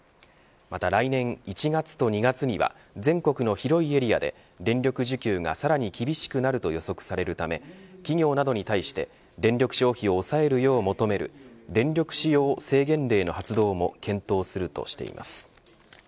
また来年、１月と２月には全国の広いエリアで、電力需給がさらに厳しくなると予測されるため企業などに対して電力消費を抑えるよう求める電力使用制限令の発動も検討するとしています。